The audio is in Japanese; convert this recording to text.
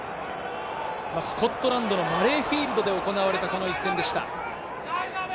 スコットランドのマレーフィールドで行われた、この一戦でした。